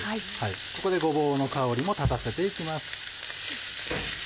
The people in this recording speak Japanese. ここでごぼうの香りも立たせて行きます。